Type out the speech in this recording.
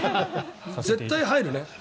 絶対入るね。